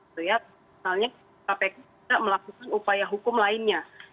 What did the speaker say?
misalnya kpk tidak melakukan upaya hukum lainnya